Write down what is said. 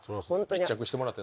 密着してもらってな。